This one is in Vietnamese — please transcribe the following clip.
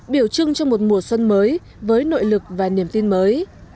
biểu trưng cho một mùa xuân mới với nội lực và niềm tin mới